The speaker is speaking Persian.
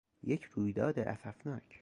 یک رویداد اسفناک